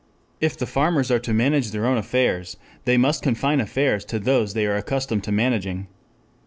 If the farmers are to manage their own affairs, they must confine affairs to those they are accustomed to managing.